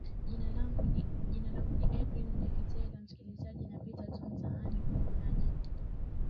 jina langu ni edwin deketela msikilizaji napita tu mtaani kuona je